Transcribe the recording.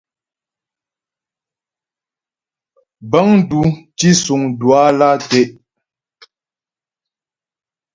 Bəŋ dù tǐsuŋ Duala tɛ'.